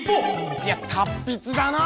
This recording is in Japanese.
いや達筆だな！